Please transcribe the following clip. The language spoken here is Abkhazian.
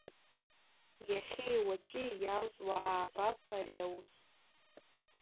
Иахьеи уаҵәи иалҵуа аабап ари аус.